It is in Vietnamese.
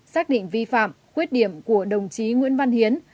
xác định vi phạm khuyết điểm của đồng chí nguyễn văn hiến